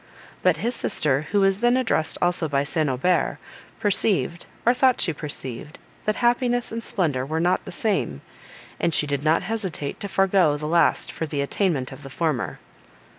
But his sister, who was then addressed also by St. Aubert, perceived, or thought she perceived, that happiness and splendour were not the same, and she did not hesitate to forego the last for the attainment of the former.